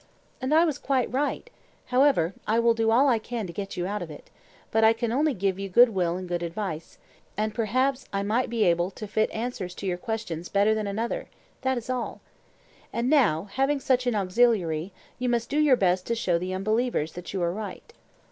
And I was quite right; however, I will do all I can to get you out of it; but I can only give you good will and good advice, and, perhaps, I may be able to fit answers to your questions better than another—that is all. And now, having such an auxiliary, you must do your best to show the unbelievers that you are right.